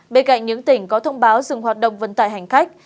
bên cạnh những tỉnh có thông báo dừng hoạt động vận tải hành khách